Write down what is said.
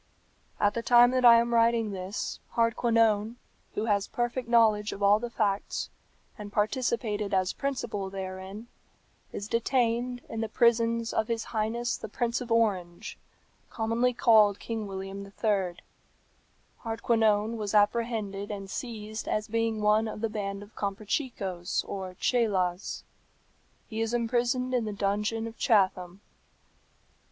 "At the time that I am writing this, Hardquanonne, who has perfect knowledge of all the facts, and participated as principal therein, is detained in the prisons of his highness the Prince of Orange, commonly called King William III. Hardquanonne was apprehended and seized as being one of the band of Comprachicos or Cheylas. He is imprisoned in the dungeon of Chatham.